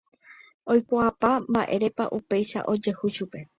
Oikuaapa mba'érepa upéicha ojehu chupe.